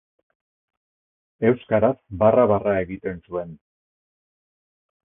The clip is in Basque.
Euskaraz barra-barra egiten zuen.